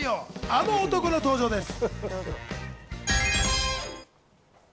あの男の登場です。